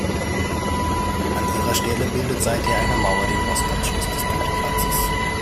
An ihrer Stelle bildet seither eine Mauer den Ostabschluss des Domplatzes.